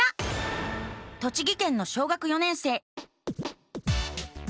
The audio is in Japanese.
栃木県の小学４年生。